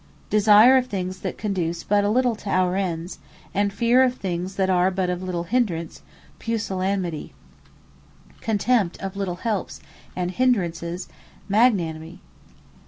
Pusillanimity Desire of things that conduce but a little to our ends; And fear of things that are but of little hindrance, PUSILLANIMITY. Magnanimity Contempt of little helps, and hindrances, MAGNANIMITY.